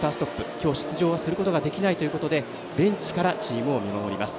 今日、出場はすることができないということでベンチからチームを見守ります。